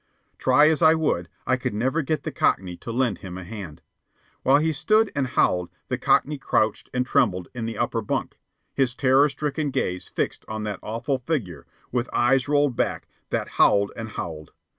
Try as I would, I could never get the Cockney to lend him a hand. While he stood and howled, the Cockney crouched and trembled in the upper bunk, his terror stricken gaze fixed on that awful figure, with eyes rolled back, that howled and howled.